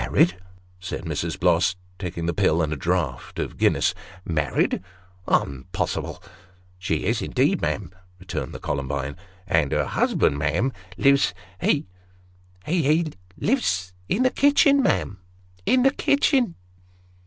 " Married !" said Mrs. Bloss, taking the pill and a draught of Guinness " married ! Unpossible !"" She is indeed, ma'am," returned the Columbine ;" and her hus band, ma'am, lives he he he lives in the kitchen, ma'am." " In the kitchen